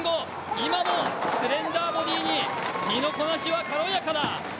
今もスレンダーボディーに身のこなしは軽やかだ。